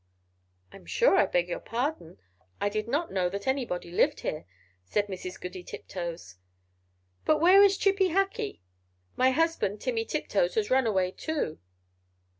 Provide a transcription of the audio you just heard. "I am sure I beg your pardon; I did not know that anybody lived here," said Mrs. Goody Tiptoes; "but where is Chippy Hackee? My husband, Timmy Tiptoes, has run away too."